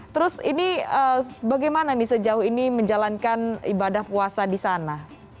terus ini bagaimana nih sejauh ini menjalankan ibadah puasa di sana